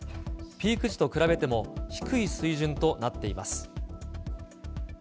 ピーク時と比べても低い水準となっています。